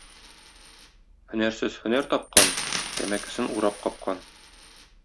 Һөнәрсез һөнәр тапкан, тәмәкесен урап капкан.